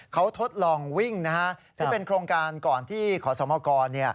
เขาทดลองวิ่งนะฮะซึ่งเป็นโครงการก่อนที่ขอสมกร